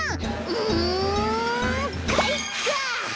うんかいか！